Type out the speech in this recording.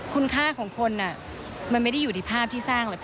คุณค่าของคนมันไม่ได้อยู่ที่ภาพที่สร้างเลย